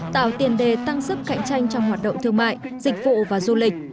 tạo tiền đề tăng sức cạnh tranh trong hoạt động thương mại dịch vụ và du lịch